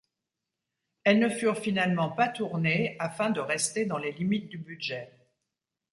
Elles ne furent finalement pas tournées, afin de rester dans les limites du budget.